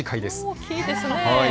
大きいですね。